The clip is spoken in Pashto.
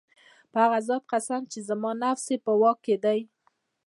په هغه ذات قسم چي زما نفس ئې په واك كي دی